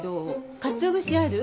かつお節ある？